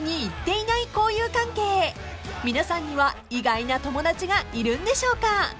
［皆さんには意外な友達がいるんでしょうか？］